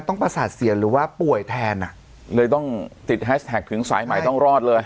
ประสาทเสียหรือว่าป่วยแทนอ่ะเลยต้องติดแฮชแท็กถึงสายใหม่ต้องรอดเลย